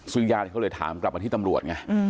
ซึ่งญาติเขาเลยถามกลับมาที่ตำรวจไง